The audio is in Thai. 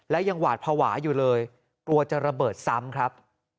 และยังหวาดภาวะอยู่เลยกลัวจะระเบิดซ้ำครับ